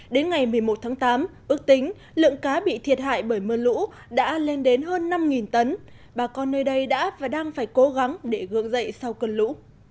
đến ngày một mươi một tháng tám ước tính lượng cá bị thiệt hại bởi mưa lũ đã lên đến hơn năm tấn bà con nơi đây đã và đang phải cố gắng để gương dậy sau cơn lũ